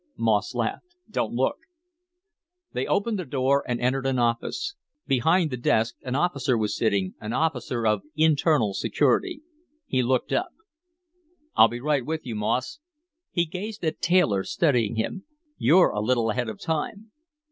Moss laughed. "Don't look." They opened a door and entered an office. Behind the desk, an officer was sitting, an officer of Internal Security. He looked up. "I'll be right with you, Moss." He gazed at Taylor studying him. "You're a little ahead of time."